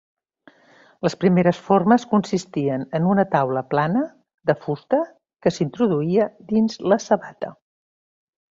Les primeres formes consistien en una taula plana de fusta que s'introduïa dins la sabata.